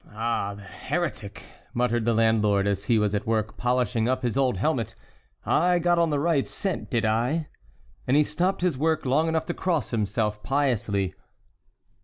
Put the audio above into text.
"Ah, the heretic!" muttered the landlord as he was at work polishing up his old helmet, "I got on the right scent, did I?" And he stopped his work long enough to cross himself piously.